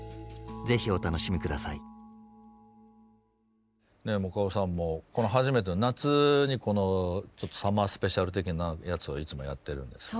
是非お楽しみください。もかおさんもこの初めて夏にサマースペシャル的なやつをいつもやってるんですけど。